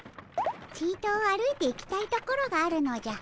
ちと歩いていきたいところがあるのじゃ。